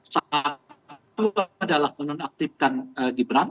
satu adalah menonaktifkan gibran